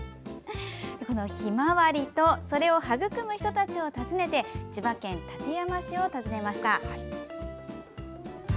ひまわりとそれを育む人たちを訪ねて千葉県の館山市を訪ねました。